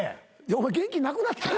お前元気なくなってる。